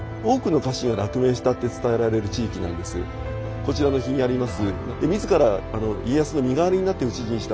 こちらの碑にあります